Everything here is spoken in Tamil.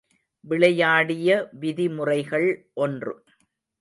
விளையாடிய விதிமுறைகள் ஒன்று.